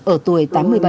ở tuổi tám mươi bảy